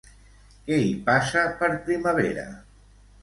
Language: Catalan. Qui hi passa per primavera?